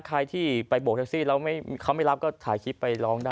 ใครที่ไปโบกแท็กซี่แล้วเขาไม่รับก็ถ่ายคลิปไปร้องได้